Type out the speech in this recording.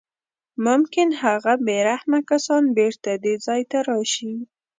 ممکن هغه بې رحمه کسان بېرته دې ځای ته راشي